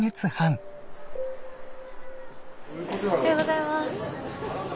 おはようございます。